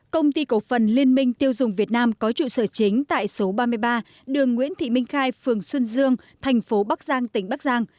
công ty cổ phần liên minh tiêu dùng việt nam có trụ sở chính tại số ba mươi ba đường nguyễn thị minh khai phường xuân dương thành phố bắc giang tỉnh bắc giang